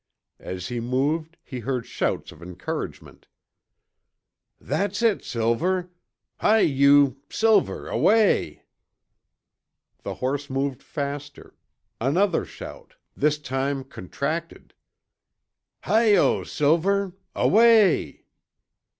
As he moved, he heard shouts of encouragement. "That's it, Silver! Hi you, Silver, away!" The horse moved faster. Another shout, this time contracted. "Hi Yo' Silver, Away!"